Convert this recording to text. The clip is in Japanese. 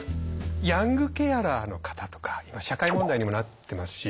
ヤングケアラーの方とか今社会問題にもなってますし。